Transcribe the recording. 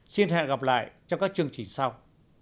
xin hẹn gặp lại trong các chương trình sau